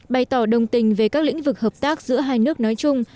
bày tỏ đồng tình về các lĩnh vực hợp tác giữa hai nước nói chung